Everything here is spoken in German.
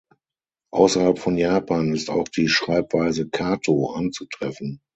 Außerhalb von Japan ist auch die Schreibweise Kato anzutreffen.